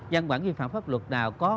văn quản vi phạm pháp luật nào có